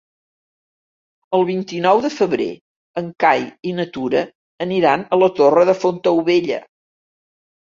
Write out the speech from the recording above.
El vint-i-nou de febrer en Cai i na Tura aniran a la Torre de Fontaubella.